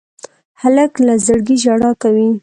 هلک له زړګي ژړا کوي.